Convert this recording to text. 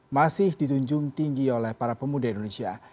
masih ditunjung tinggi oleh para pemuda indonesia